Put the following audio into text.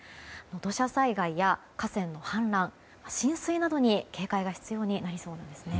土砂災害や河川の氾濫浸水などに警戒が必要になりそうですね。